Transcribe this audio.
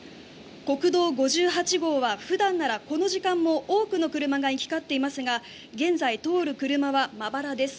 国道５８号は普段ならこの時間も多くの車が行き交っていますが現在通る車はまばらです。